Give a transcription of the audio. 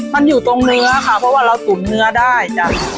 มันอยู่ตรงเนื้อค่ะเพราะว่าเราตุ๋นเนื้อได้จ้ะ